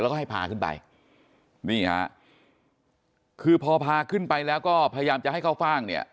แล้วก็ให้พาขึ้นไปนี่ฮะคือพอพาขึ้นไปแล้วก็พยายามจะให้เข้าฟ่างเนี่ย